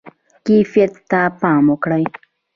کیفیت ته پام وکړئ